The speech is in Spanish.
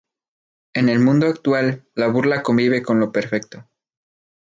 En el mundo actual, la burla convive con lo perfecto.